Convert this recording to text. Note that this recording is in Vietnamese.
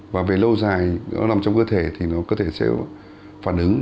và về lâu dài nó nằm trong cơ thể thì cơ thể sẽ phản ứng